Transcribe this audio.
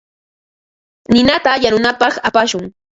Ninata yanunapaq apashun.